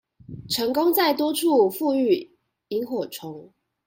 成功在多處復育螢火蟲